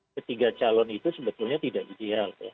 ketiga calon itu sebetulnya tidak ideal